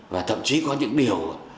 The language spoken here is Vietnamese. và thậm chí có những điều